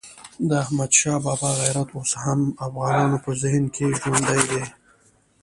د احمدشاه بابا غیرت اوس هم د افغانانو په ذهن کې ژوندی دی.